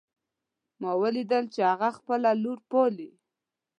ما ولیدل چې هغه خپله لور پالي